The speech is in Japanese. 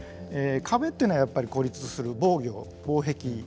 壁っていうのはやっぱり孤立する防御防壁。